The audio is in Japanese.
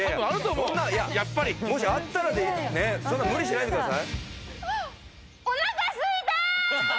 そんな、いや、もしあったらでね、そんな無理しないでください。